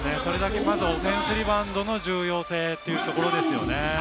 オフェンスリバウンドの重要性というところですよね。